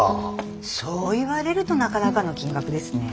そう言われるとなかなかの金額ですね。